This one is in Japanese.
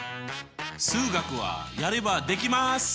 数学はやればできます！